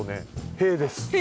へいです。